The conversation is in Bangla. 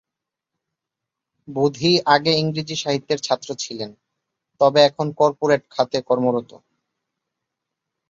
বোধি আগে ইংরেজি সাহিত্যের ছাত্র ছিলেন, তবে এখন কর্পোরেট খাতে কর্মরত।